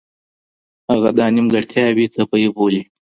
هغه دا نیمګړتیاوې طبیعي بولي.